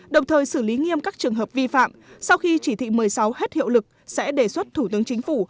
đồng thời xử lý nghiêm các trường hợp vi phạm sau khi chỉ thị một mươi sáu hết hiệu lực sẽ đề xuất thủ tướng chính phủ